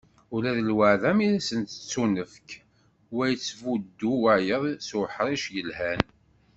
Ula d lwaεda mi asen-d-tettunefk, wa ittbuddu wayeḍ s uḥric yelhan.